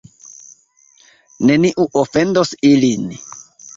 Neniu ofendos ilin.